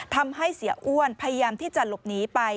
ทำให้เสียอ้วนพยายามที่จะหลบหนีไป